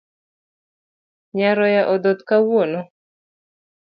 Nyaroya odhoth kawuono.